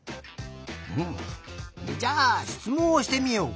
ふむじゃあしつもんをしてみよう。